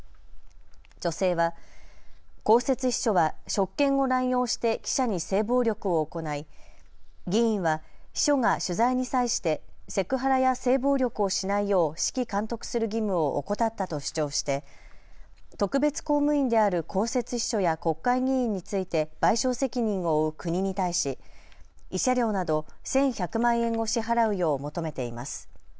女性は公設秘書は職権を乱用して記者に性暴力を行い議員は秘書が取材に際してセクハラや性暴力をしないよう指揮監督する義務を怠ったと主張して特別公務員である公設秘書や国会議員について賠償責任を負う国に対し慰謝料など１１００万円を支払うよう求めています。